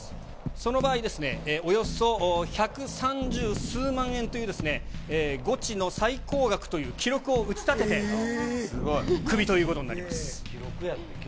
その場合ですね、およそ百三十数万円というゴチの最高額という記録を打ち立てて、クビということになります。